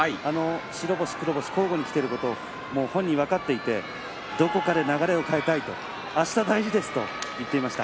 白星、黒星交互にきていることを本人は分かっていてどこかで流れを変えたいあしたが大事ですと言っていました。